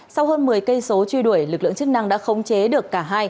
sau hơn một mươi cây số truy đuổi lực lượng chức năng đã khống chế được cả hai